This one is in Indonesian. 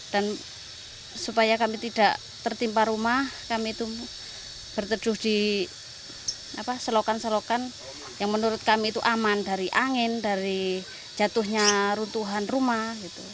dan supaya kami tidak tertimpa rumah kami itu berteduh di selokan selokan yang menurut kami itu aman dari angin dari jatuhnya runtuhan rumah